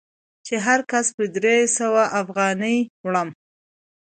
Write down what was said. چې هر کس په درې سوه افغانۍ وړم.